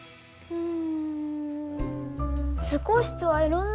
うん。